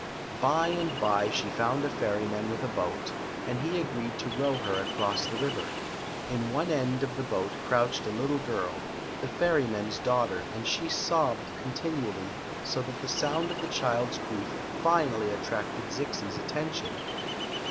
By and by she found a ferryman with a boat, and he agreed to row her across the river. In one end of the boat crouched a little girl, the ferryman's daugh ter, and she sobbed continually, so that die sound of the child's grief finally attracted Zixi's attention.